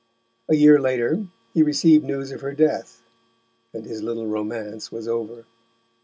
A year later he received news of her death, and his little romance was over.